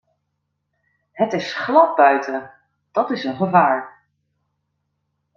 Het is glad buiten; dat is een gevaar.